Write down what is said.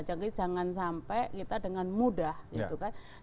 jangan sampai kita dengan mudah gitu kan